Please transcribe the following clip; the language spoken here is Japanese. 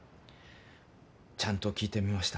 ちゃんと聞いてみました。